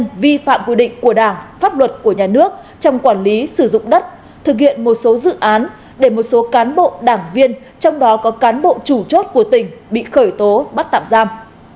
các hành vi vi phạm quy định của đảng pháp luật của nhà nước trong quản lý sử dụng đất thực hiện một số dự án để một số cán bộ đảng viên trong đó có cán bộ chủ chốt của tỉnh bị khởi tố bắt tạm giam